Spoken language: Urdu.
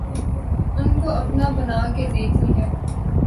ان کو اپنا بنا کے دیکھ لیا